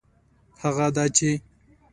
هغه دا چي